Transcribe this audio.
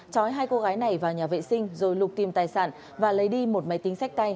trói hai cô gái này vào nhà vệ sinh rồi lục tìm tài sản và lấy đi một máy tính sách tay